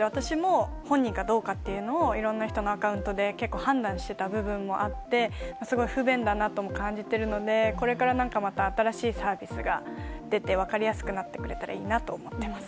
私も本人かどうかというのをいろんな人のアカウントで判断していた部分もあって不便だなと感じているのでこれから新しいサービスが出て分かりやすくなったらいいなと思っています。